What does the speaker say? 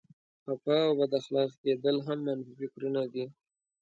خفه او بد اخلاقه کېدل هم منفي فکرونه دي.